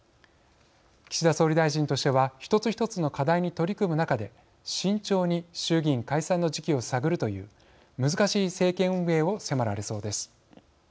岸田総理大臣としては１つ１つの課題に取り組む中で慎重に衆議院解散の時期を探るという難しい政権運営を迫られそうです。